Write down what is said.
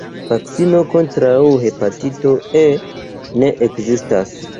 Vakcino kontraŭ hepatito E ne ekzistas.